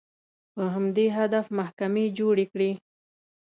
په همدې هدف محکمې جوړې کړې